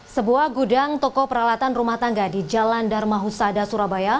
sebuah gudang toko peralatan rumah tangga di jalan dharma husada surabaya